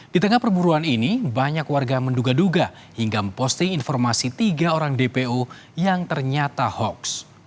di tengah perburuan ini banyak warga menduga duga hingga memposting informasi tiga orang dpo yang ternyata hoaks